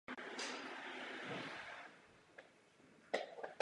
Je zde pravidelný provoz.